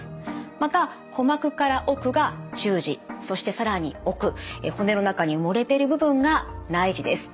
また鼓膜から奥が中耳そして更に奥骨の中に埋もれている部分が内耳です。